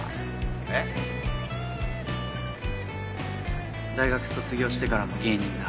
えっ？大学卒業してからも芸人な。